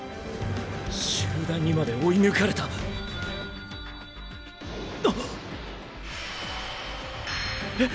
集団にまで追い抜かれたっ！！